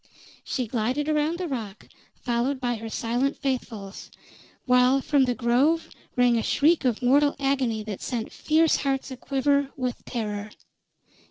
She glided around the rock, followed by her silent faithfuls, while from the Grove rang a shriek of mortal agony that sent fierce hearts aquiver with terror.